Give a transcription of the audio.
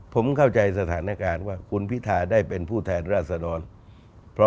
ผมเข้าใจสถานการณ์ว่าคุณพิทาได้เป็นผู้แทนราษฎร